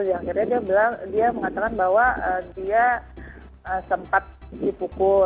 yang akhirnya dia bilang dia mengatakan bahwa dia sempat dipukul